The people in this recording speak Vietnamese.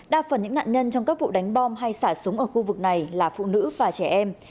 đa phần những nạn nhân trong các vụ đánh bom hay xả súng ở khu vực này là phụ nữ và trẻ em